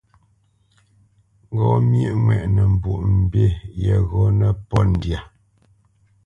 Ŋgó myéʼ ŋwɛʼnə Mbwoʼmbî yeghó nə́pōt ndyâ.